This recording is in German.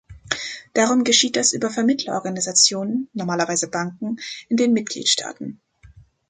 Darum geschieht das über Vermittlerorganisationen, normalerweise Banken in den Mitgliedstaaten.